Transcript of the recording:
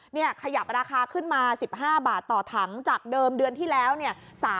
ขยับราคาขึ้นมา๑๕บาทต่อถังจากเดิมเดือนที่แล้วเนี่ย